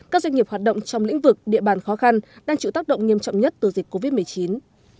các doanh nghiệp hoạt động trong lĩnh vực địa bàn khó khăn đang chịu tác động nghiêm trọng nhất từ dịch covid một mươi chín